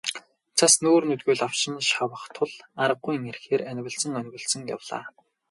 Цас нүүр нүдгүй лавшин шавах тул аргагүйн эрхээр анивалзан онилзон явлаа.